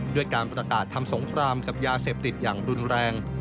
ด้วยการประกาศทำสงครามกับยาเสพติดอย่างรุนแรง